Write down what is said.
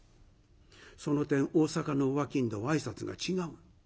その点大阪のお商人は挨拶が違う。